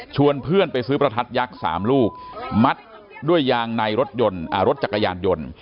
เพื่อนไปซื้อประทัดยักษ์๓ลูกมัดด้วยยางในรถยนต์รถจักรยานยนต์